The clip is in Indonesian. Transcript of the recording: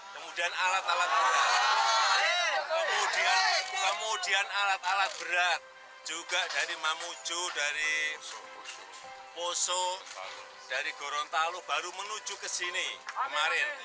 kemudian alat alat berat juga dari mamucu dari poso dari gorontalo baru menuju ke sini kemarin